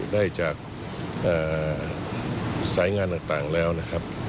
ได้จากสายงานต่างแล้วนะครับ